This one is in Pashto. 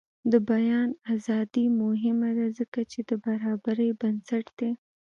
د بیان ازادي مهمه ده ځکه چې د برابرۍ بنسټ دی.